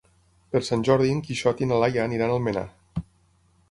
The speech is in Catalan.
Per Sant Jordi en Quixot i na Laia aniran a Almenar.